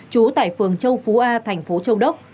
trú tại phường châu phú a thành phố châu đốc